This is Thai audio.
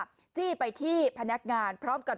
จี้ไปที่พนักงานพร้อมกับ